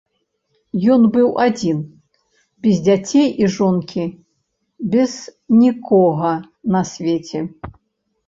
Ён быў адзін, без дзяцей і жонкі, без нікога на свеце.